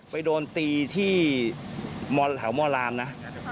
ไปโดนตีที่แถวมรามนะ